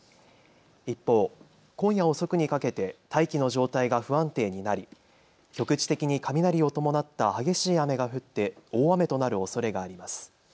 一方、今夜遅くにかけて大気の状態が不安定になり局地的に雷を伴った激しい雨が降って大雨となるおそれがあります。